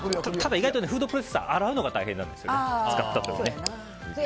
意外とフードプロセッサーは洗うのが大変なんですよ。